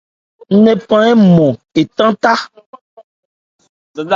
Ńnephan hɛ́n nmɔn etá ta.